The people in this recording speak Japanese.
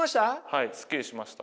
はいすっきりしました。